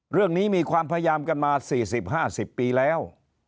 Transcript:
มีความพยายามกันมา๔๐๕๐ปีแล้ว